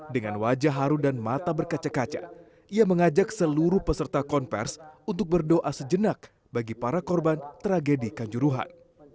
dengan wajah haru dan mata berkaca kaca ia mengajak seluruh peserta konversi untuk berdoa sejenak bagi para korban tragedi kanjuruhan